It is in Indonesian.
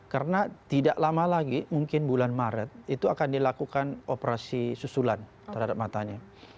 karena tidak lama lagi mungkin bulan maret itu akan dilakukan operasi susulan terhadap matanya